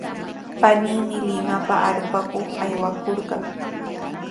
Paniimi Limapa arupakuq aywakurqan.